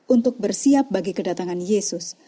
untuk bersiap bagi kedatangan yesus